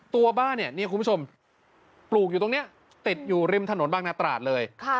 ตัวบ้านเนี่ยนี่คุณผู้ชมปลูกอยู่ตรงนี้ติดอยู่ริมถนนบางนาตราดเลย